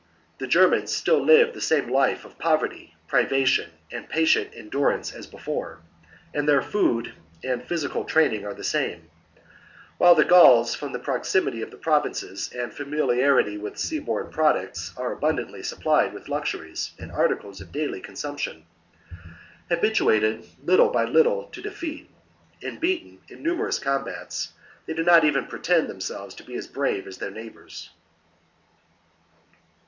The Germans still live the same life of poverty, privation, and patient endurance as before, and their food and physical training are the same ; while the Gauls, from the proximity of the provinces and familiarity with sea borne products, are abundantly supplied with luxuries and articles of daily consumption. Habituated, little by little, to defeat, and beaten in numerous combats, they do not even pretend themselves to be as brave as their neighbours.